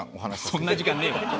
そんな時間ねえわ。